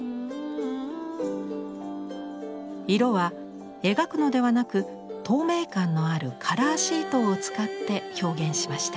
色は描くのではなく透明感のあるカラーシートを使って表現しました。